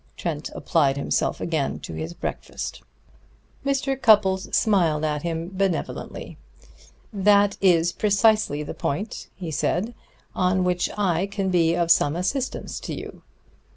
Trent applied himself again to his breakfast. Mr. Cupples smiled at him benevolently. "That is precisely the point," he said, "on which I can be of some assistance to you."